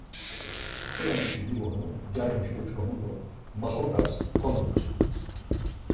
Xura muşi dibonu, gyari muşi oç̌ǩomu do maxoǩas konuntzu.